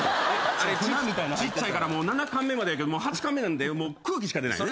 あれちっちゃいから７貫目まではええけど８貫目なんて空気しか出ない。